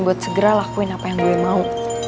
buat segera lakuin apa yang gue mau